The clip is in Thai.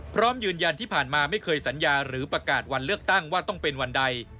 พร้อมยืนยันที่ผ่านมาไม่เคยสัญญาหรือประกาศวันเลือกตั้งว่าต้องเป็นวันใด